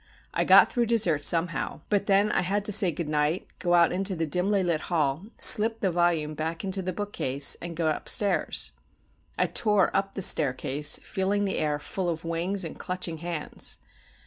I got through dessert somehow; but then I had to say good night, go out into the dimly lit hall, slip the volume back into the bookcase, and get upstairs. I tore up the staircase, feeling the air full of wings and clutching hands.